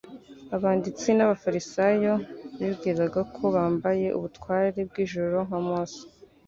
Abanditsi n'abafarisayo bibwiraga ko bambaye ubutware bw'ijuru nka Mose.